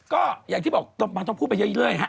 ก็อย่างที่บอกมาต้องพูดไปเยอะจังเลยฮะ